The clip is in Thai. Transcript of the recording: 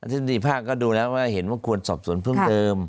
ท่านดีภาคก็ดูแล้วว่าเห็นว่าควรสอบสวนเพิ่มเติม